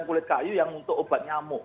kulit kayu yang untuk obat nyamuk